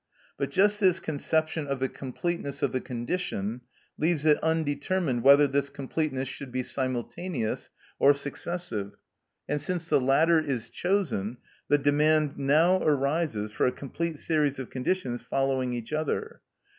But just this conception of the completeness of the condition leaves it undetermined whether this completeness should be simultaneous or successive; and since the latter is chosen, the demand now arises for a complete series of conditions following each other.